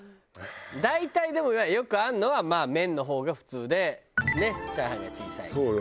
大体でもよくあるのは麺の方が普通でチャーハンが小さいとかね。